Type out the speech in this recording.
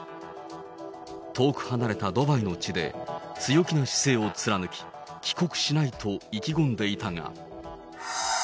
遠く離れたドバイの地で、強気な姿勢を貫き、帰国しないと意気込んでいたが。